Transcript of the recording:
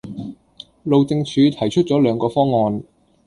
路政署提出咗兩個方案